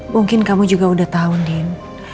mungkin kamu juga udah tahun din